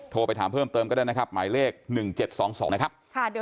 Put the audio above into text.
โทรไปถามเพิ่มเติมก็ได้นะครับหมายเลข๑๗๒๒นะครับ